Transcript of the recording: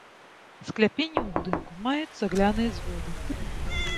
Скляпенні ў будынку маюць цагляныя зводы.